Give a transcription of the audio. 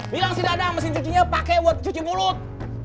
bilang si dadang mesin cucinya pake buat cuci mulut